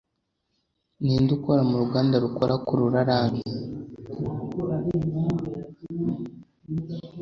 Ninde ukora mu uruganda rukora Corolla Rang?